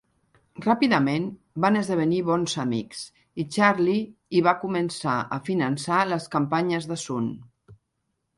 Ràpidament van esdevenir bons amics i Charlie i va començar a finançar les campanyes de Sun.